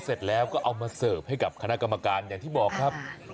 เสร็จแล้วก็เอามาเสิร์ฟให้กับคณะกรรมการอย่างที่บอกครับ